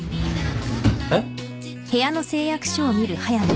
えっ？